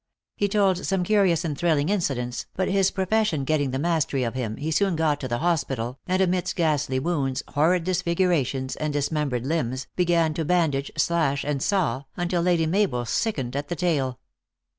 He told some curious and thrilling incidents, but his profession getting the mastery of him, he soon got to the hospital, and, amidst ghastly wounds, horrid disfigurations, and dis membered, limbs, began to bandage, slash, and saw, until Lady Mabel sickened at the tale.